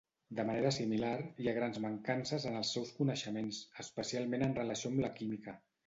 De manera similar, hi ha grans mancances en els seus coneixements, especialment en relació amb la química.